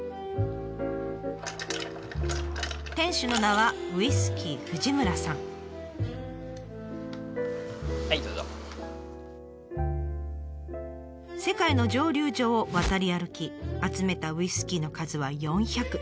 店主の名は世界の蒸留所を渡り歩き集めたウイスキーの数は４００。